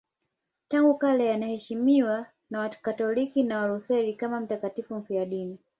Tangu kale anaheshimiwa na Wakatoliki na Walutheri kama mtakatifu mfiadini.